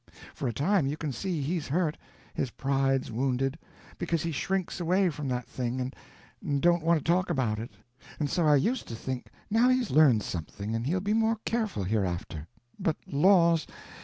For a time you can see he's hurt, his pride's wounded, because he shrinks away from that thing and don't want to talk about it—and so I used to think now he's learned something and he'll be more careful hereafter—but laws!